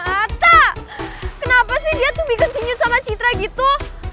ata kenapa sih dia tubigang tinyut sama citra gitu